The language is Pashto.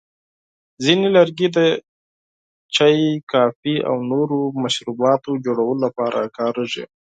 ځینې لرګي د چایو، کافي، او نورو مشروباتو جوړولو لپاره کارېږي.